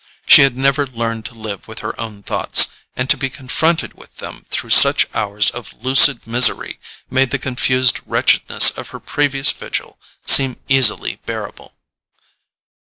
She had never learned to live with her own thoughts, and to be confronted with them through such hours of lucid misery made the confused wretchedness of her previous vigil seem easily bearable.